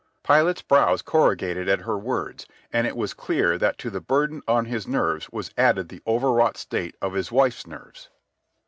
Pilate's brows corrugated at her words, and it was clear that to the burden on his nerves was added the overwrought state of his wife's nerves.